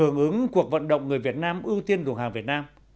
những cuộc vận động người việt nam ưu tiên đường hàng việt nam